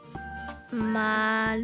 まる。